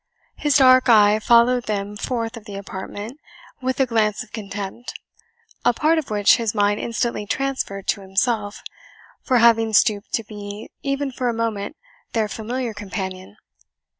His dark eye followed them forth of the apartment with a glance of contempt, a part of which his mind instantly transferred to himself, for having stooped to be even for a moment their familiar companion.